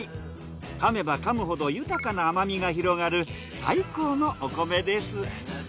かめばかむほど豊かな甘みが広がる最高のお米です。